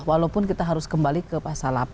walaupun kita harus kembali ke pasal delapan